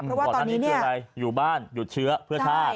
เพราะว่าตอนนี้อยู่บ้านหยุดเชื้อเพื่อชาติ